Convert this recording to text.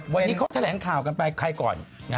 วันนี้เขาแถลงข่าวกันไปใครก่อน